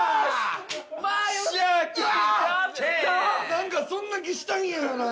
なんかそんな気したんだよな。